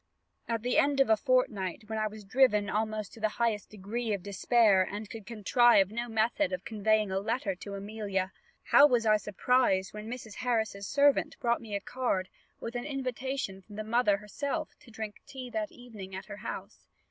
"At the end of a fortnight, when I was driven almost to the highest degree of despair, and could contrive no method of conveying a letter to Amelia, how was I surprised when Mrs. Harris's servant brought me a card, with an invitation from the mother herself to drink tea that evening at her house!